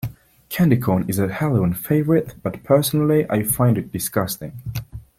Candy corn is a Halloween favorite, but personally I find it disgusting.